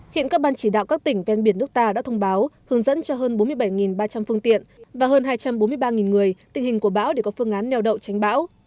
hiện các ban chỉ đạo các tỉnh ven biển nước ta đã thông báo hướng dẫn cho hơn bốn mươi bảy ba trăm linh phương tiện và hơn hai trăm bốn mươi ba người tình hình của bão để có phương án neo đậu tránh bão